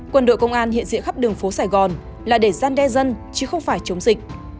quân đội công an hiện diện khắp đường phố sài gòn là để gian đe dân chứ không phải chống dịch